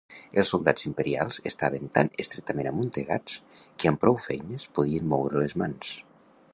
Els soldats imperials estaven tan estretament amuntegats que amb prou feines podien moure les mans.